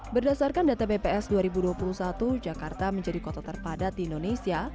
berdasarkan data bps dua ribu dua puluh satu jakarta menjadi kota terpadat di indonesia